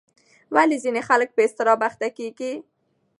ولې ځینې خلک په اضطراب اخته کېږي؟